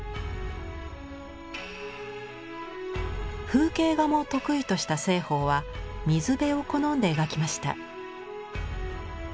風景画も得意とした栖鳳は水辺を好んで描きました。